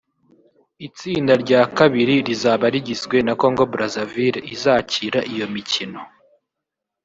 Itsinda rya kabiri rizaba rigizwe na Congo Brazzaville izakira iyo mikino